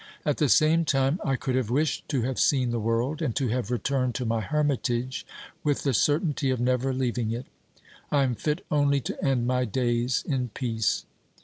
At the same time I could have wished to have seen the world and to have returned to my hermitage, with the certainty of never leaving it; I am fit only to end my days in peace.